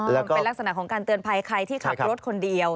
มันเป็นลักษณะของการเตือนภัยใครที่ขับรถคนเดียว